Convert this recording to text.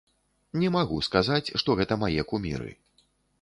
Не магу сказаць, што гэта мае куміры.